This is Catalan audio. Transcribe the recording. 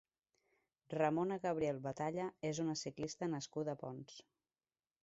Ramona Gabriel Batalla és una ciclista nascuda a Ponts.